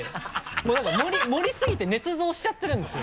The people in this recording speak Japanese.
もう何か盛りすぎてねつ造しちゃってるんですよ。